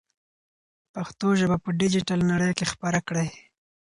پښتو ژبه په ډیجیټل نړۍ کې خپره کړئ.